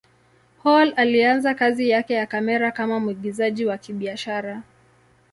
Hall alianza kazi yake ya kamera kama mwigizaji wa kibiashara.